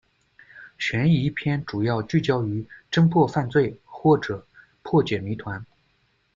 悬疑片主要聚焦于侦破犯罪，或者破解谜团。